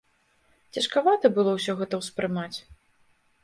Цяжкавата было ўсё гэта ўспрымаць.